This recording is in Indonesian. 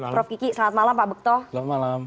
prof kiki selamat malam pak bekto selamat malam